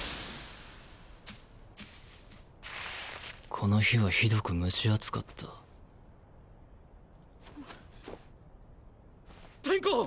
この日はひどく蒸し暑かった転弧！